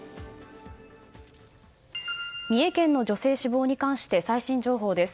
三重県の女性死亡に関して最新情報です。